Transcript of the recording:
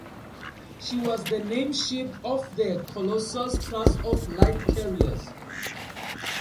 She was the name-ship of the "Colossus" class of light carriers.